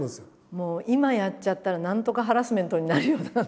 もう今やっちゃったら何とかハラスメントになるような話？